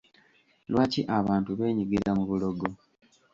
Lwaki abantu beenyigira mu bulogo?